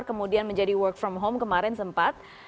kemudian menjadi work from home kemarin sempat